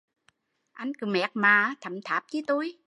Anh cứ méc mạ, thấm tháp chi tui